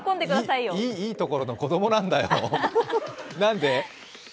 いいところの子供なんだ。